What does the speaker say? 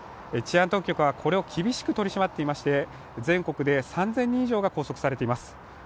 治安当局はこれを厳しく取り締まっていまして全国で３０００人以上が拘束されています。